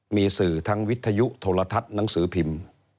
มีสื่อทั้งวิทยุโทรทัศน์หนังสือพิมพ์